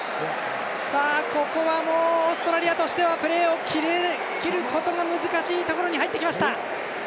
ここはもうオーストラリアとしてはプレーを切ることが難しいところに入ってきました。